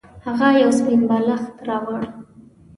هغه یو سپین بالښت راوړ.